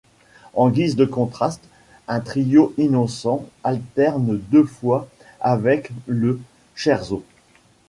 En guise de contraste, un trio innocent alterne deux fois avec le scherzo.